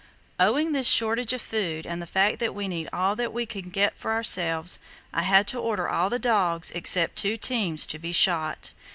Owing to this shortage of food and the fact that we needed all that we could get for ourselves, I had to order all the dogs except two teams to be shot.